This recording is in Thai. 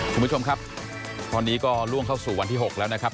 คุณผู้ชมครับตอนนี้ก็ล่วงเข้าสู่วันที่๖แล้วนะครับ